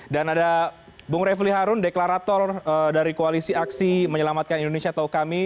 dan ada bung reflih harun deklarator dari koalisi aksi menyelamatkan indonesia atau kami